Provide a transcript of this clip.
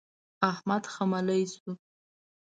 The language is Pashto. احمد خملۍ شو.